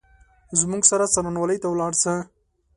زموږ سره څارنوالۍ ته ولاړ شه !